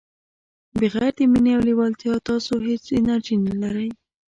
بغير د مینې او لیوالتیا تاسو هیڅ انرژي نه لرئ.